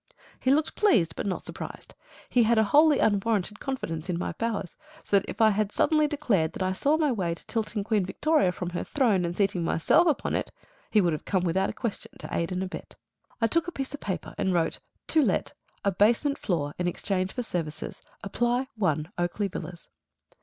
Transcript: He looked pleased, but not surprised. He had a wholly unwarranted confidence in my powers; so that if I had suddenly declared that I saw my way to tilting Queen Victoria from her throne and seating myself upon it, he would have come without a question to aid and abet. I took a piece of paper and wrote, "To Let. A basement floor, in exchange for services. Apply 1 Oakley Villas."